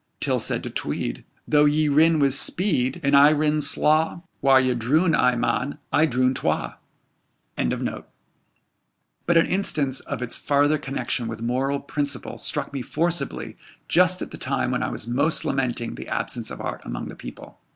Till said to Tweed, 'Though ye rin wi' speed, And I rin slaw, Whar ye droon ae man, I droon twa.'"] but an instance of its farther connection with moral principle struck me forcibly just at the time when I was most lamenting the absence of art among the people.